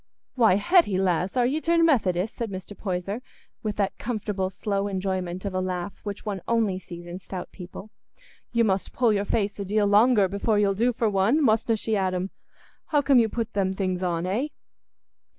"Why, Hetty, lass, are ye turned Methodist?" said Mr. Poyser, with that comfortable slow enjoyment of a laugh which one only sees in stout people. "You must pull your face a deal longer before you'll do for one; mustna she, Adam? How come you put them things on, eh?"